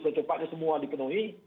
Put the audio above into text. secepatnya semua di penuhi